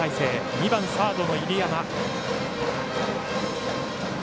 ２番、サードの入山。